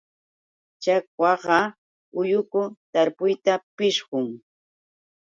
Chakwaqa ulluku tarpuyta pishqun.